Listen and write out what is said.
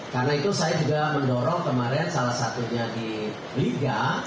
karena itu saya juga mendorong kemarin salah satunya di liga